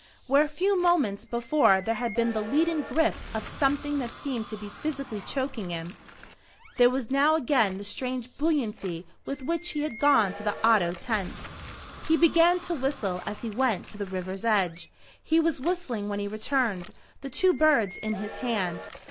Where a few moments before there had been the leaden grip of something that seemed to be physically choking him, there was now again the strange buoyancy with which he had gone to the Otto tent. He began to whistle as he went to the river's edge. He was whistling when he returned, the two birds in his hand.